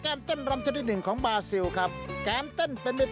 ความรักก็มาถึงเดือนหกแต่ฝนไม่ตกสักที